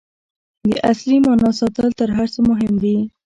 د اصلي معنا ساتل تر هر څه مهم دي.